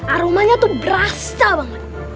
aromanya tuh berasa banget